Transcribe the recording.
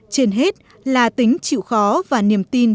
trên hết là tính chịu khó và niềm tin